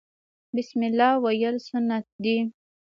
بسم الله ویل سنت دي